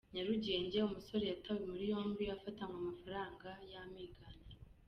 Nyarugenge umusore Yatawe muri yombi afatanywe amafaranga y’amiganano